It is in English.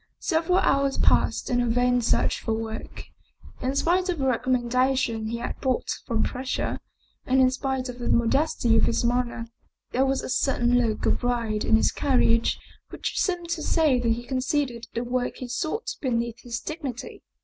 Several hours passed in a vain search for work. In spite of the recommendations he had brought from Brescia, and in spite of the modesty of his manner, there was a certain look of pride in his carriage which 45 German Mystery Stories seemed to say that he considered the work he sought be neath his dignity.